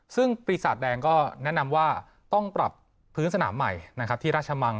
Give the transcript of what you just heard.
ซึ่งปีศาจแดงก็แนะนำว่าต้องปรับพื้นสนามใหม่นะครับที่ราชมัง